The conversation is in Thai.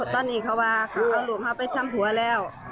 ตอนนี้เขาเอาลูกมาข้ามทรัมโหดแล้ว